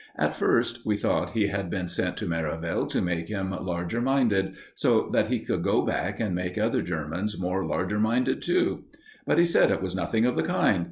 At first we thought he had been sent to Merivale to make him larger minded, so that he could go back and make other Germans more larger minded, too. But he said it was nothing of the kind.